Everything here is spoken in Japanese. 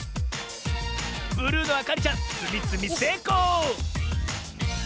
ブルーのあかりちゃんつみつみせいこう！